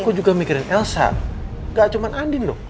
aku juga mikirin elsa gak cuman andin dong